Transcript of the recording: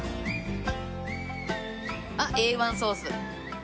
あっＡ１ソース。